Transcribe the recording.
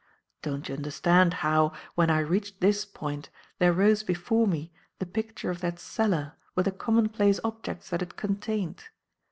Don't you understand how, when I reached this point, there rose before me the picture of that cellar with the commonplace objects that it contained?